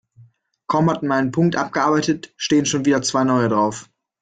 Kaum hat man einen Punkt abgearbeitet, stehen schon wieder zwei neue drauf.